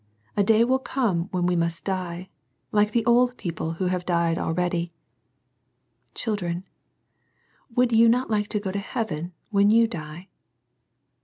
A day will come when we must die, like the old people who have died already. Children, would you not like to go to heaven when you die?